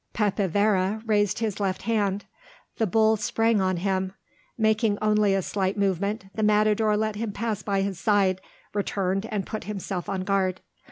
Pepe Vera raised his left hand: the bull sprang on him. Making only a light movement, the matador let him pass by his side, returned and put himself on guard.